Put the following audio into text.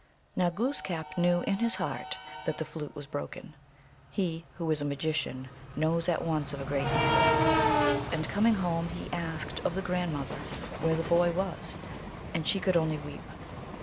Now Glooskap knew in his heart that the flute was broken: he who is a magician knows at once of a great evil. And coming home, he asked of the grandmother where the boy was, and she could only weep.